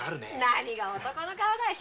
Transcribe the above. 何が男の顔よ